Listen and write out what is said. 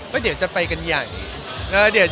ก็เดี๋ยวจะไปกันหย่างนี้